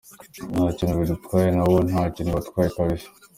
Nta kintu bidutwaye nabo nta kintu bibatwaye kabisa.